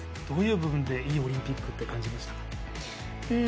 どういう部分でいいオリンピックって感じましたか？